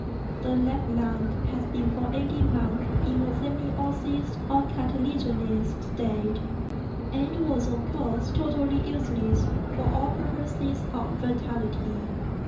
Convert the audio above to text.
The left lung had been for eighteen months in a semi osseous or cartilaginous state, and was, of course, entirely useless for all purposes of vitality.